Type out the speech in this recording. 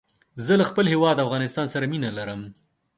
زه د خپل هېواد افغانستان سره مينه لرم